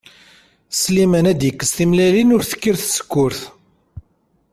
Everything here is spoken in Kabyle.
Sliman ad d-ikkes timellalin ur tekkir tsekkurt.